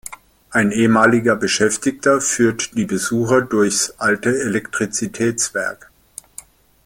Ein ehemaliger Beschäftigter führt die Besucher durchs alte Elektrizitätswerk.